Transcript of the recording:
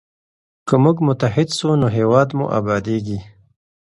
که موږ متحد سو نو هیواد مو ابادیږي.